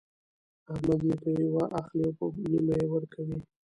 احمد يې په يوه اخلي او په نيمه يې ورکوي.